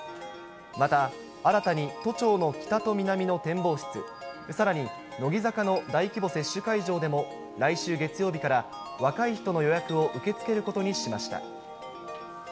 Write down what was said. また、新たに都庁の北と南の展望室、さらに乃木坂の大規模接種会場でも来週月曜日から、若い人の予約を受け付けることにしました。